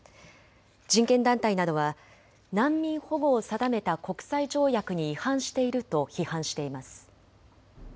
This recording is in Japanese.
人権団体などは難民保護を定めた国際条約に違反していると批判しています。